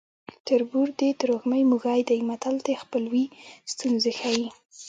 تربور د ترږمې موږی دی متل د خپلوۍ ستونزې ښيي